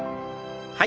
はい。